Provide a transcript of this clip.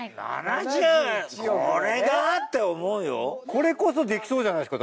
これこそできそうじゃないですか